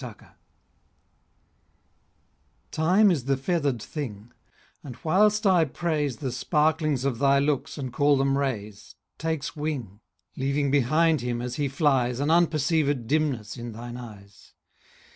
Time TIME is the feather'd thing, And, whilst I praise The sparklings of thy looks and call them rays, Takes wing, Leaving behind him as he flies 5 An unperceivèd dimness in thine eyes.